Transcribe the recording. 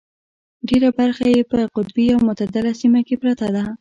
ډېره برخه یې په قطبي او متعدله سیمه کې پرته ده.